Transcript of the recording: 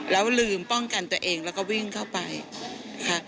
แล้วลืมป้องกันตัวเองแล้วก็วิ่งเข้าไปค่ะ